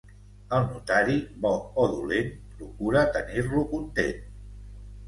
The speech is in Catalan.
El notari, bo o dolent, procura tenir-lo content.